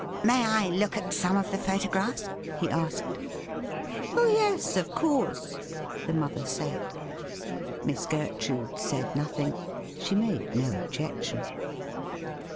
' May I look at some of the photographs ? he asked. ' Oh yes, of course,' the mother said. Miss Gertrude said nothing ; she made no objection.